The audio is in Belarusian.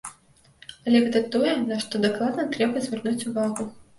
Але гэта тое, на што дакладна трэба звярнуць увагу.